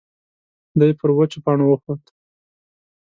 دی پر وچو پاڼو وخوت.